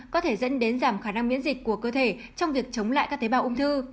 có thể dẫn đến giảm khả năng miễn dịch của cơ thể trong việc chống lại các tế bào ung thư